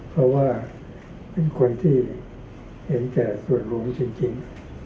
เพราะว่าเป็นคนที่เห็นแก่ส่วนรวมจริง